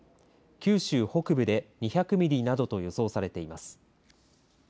九州北部で２００ミリなどと予想されています。